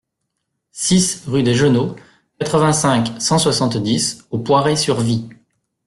six rue des Genôts, quatre-vingt-cinq, cent soixante-dix au Poiré-sur-Vie